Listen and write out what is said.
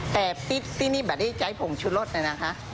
แต่ติ๊ดที่นี่แบบได้ใจผงชุดรสเลยนะคะ